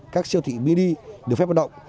các siêu thị mini được phép hoạt động